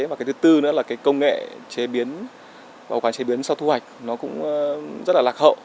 và thứ tư nữa là công nghệ bảo quản chế biến sau thu hoạch cũng rất là lạc hậu